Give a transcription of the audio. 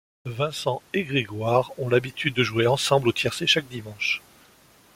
Vincent et Grégoire ont l'habitude de jouer ensemble au tiercé chaque dimanche.